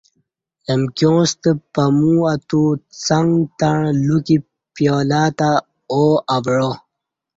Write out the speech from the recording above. امکیاں ستہ پمو اتو څݩگ تݩع لُوکِی پیالہ تہ او اوعا